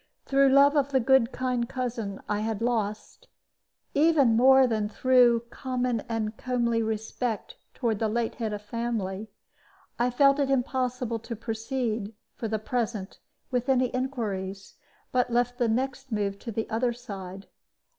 Through love of the good kind cousin I had lost, even more than through common and comely respect toward the late head of the family, I felt it impossible to proceed, for the present, with any inquiries, but left the next move to the other side.